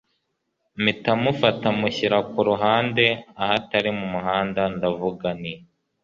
mpita mufata mushyira kuruhande ahatari mumuhanda ndavuga nti